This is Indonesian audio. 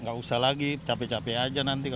nggak usah lagi capek capek aja nanti